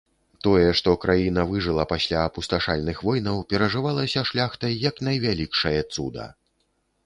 Тое, што краіна выжыла пасля апусташальных войнаў перажывалася шляхтай як найвялікшае цуда.